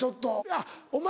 あっお前